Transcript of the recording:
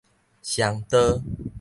雙刀